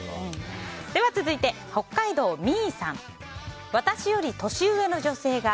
では、続いて北海道の方。